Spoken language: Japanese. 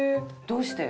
どうして？